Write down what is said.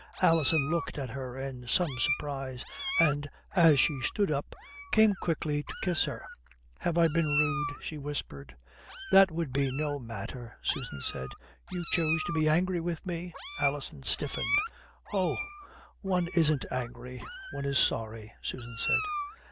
Alison looked at her in some surprise, and, as she stood up, came quickly to kiss her. "Have I been rude?" she whispered. "That would be no matter," Susan said, "You choose to be angry with me?" Alison stiffened. "Oh! One isn't angry. One is sorry," Susan said.